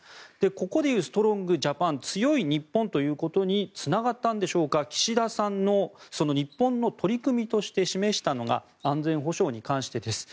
ここでいうストロング・ジャパン強い日本ということにつながったんでしょうか岸田さんの日本の取り組みとして示したのが安全保障に関してです。